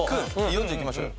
４０いきましょうよ。